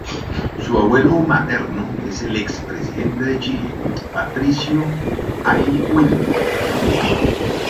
Su abuelo materno es el ex presidente de Chile, Patricio Aylwin.